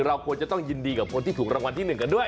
เราควรจะต้องยินดีกับคนที่ถูกรางวัลที่๑กันด้วย